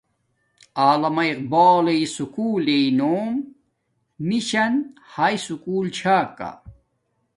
علامہ اقبالݵ سلول لݵ نوم مشن ھاݵ سکول چھا کا